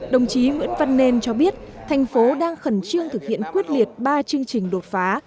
đồng chí nguyễn văn nên cho biết thành phố đang khẩn trương thực hiện quyết liệt ba chương trình đột phá